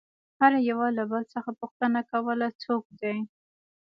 هر يوه له بل څخه پوښتنه كوله څوك دى؟